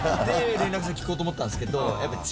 連絡先を聞こうと思ったんですけれども、